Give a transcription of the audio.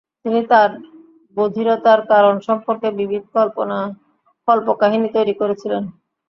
তিনি তাঁর বধিরতার কারণ সম্পর্কে বিবিধ কল্পকাহিনী তৈরি করেছিলেন।